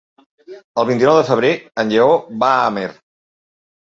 El vint-i-nou de febrer en Lleó va a Amer.